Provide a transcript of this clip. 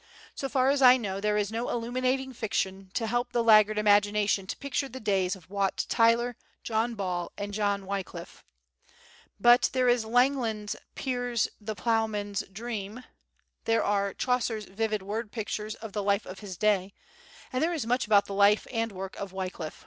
So far as I know there is no illuminating fiction to help the laggard imagination to picture the days of Wat Tyler, John Ball and John Wyclif. But there is Langland's "Piers the Plowman's Dream," there are Chaucer's vivid word pictures of the life of his day, and there is much about the life and work of Wyclif.